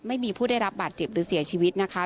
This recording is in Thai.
ไม่มีผู้ได้รับบาดเจ็บหรือเสียชีวิตนะคะ